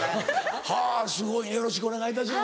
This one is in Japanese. はぁすごいよろしくお願いいたします。